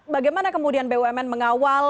bagaimana kemudian bumn mengawal